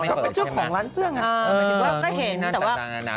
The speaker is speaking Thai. เจ้าของร้านเสื้อไง